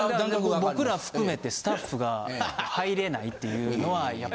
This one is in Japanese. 僕ら含めてスタッフが入れないっていうのはやっぱ。